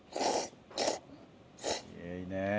いいねえ！